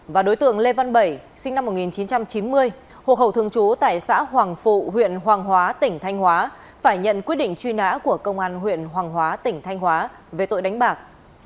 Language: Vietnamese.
và đối tượng lê văn bảy sinh năm một nghìn chín trăm chín mươi hồ khẩu thường trú tại xã hoàng phụ huyện hoàng hóa tỉnh thanh hóa phải nhận quyết định truy nã của công an huyện hoàng hóa tỉnh thanh hóa về tội đánh bạc